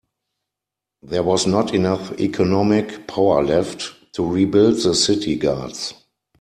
There was not enough economic power left to rebuild the city guards.